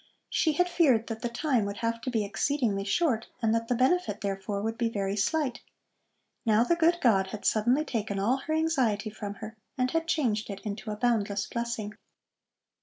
She had feared that the time would have to be exceedingly short and that the benefit therefore would be very slight. Now the good God had suddenly taken all her anxiety from her and had changed it into a boundless blessing.